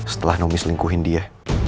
setelah naomi selingkuhin dia